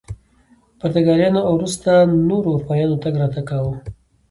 پرتګالیانو او وروسته نورو اروپایانو تګ راتګ کاوه.